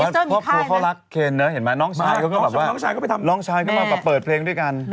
เอสเตอร์มีไทยมาพวกพวกเขารักเคนยิ้อนไหมน้องชายก็เพลงที่กัน